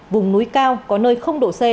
vùng núi cao có nơi độ c